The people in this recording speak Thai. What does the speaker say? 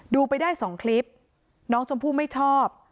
ไปได้๒คลิปน้องชมพู่ไม่ชอบ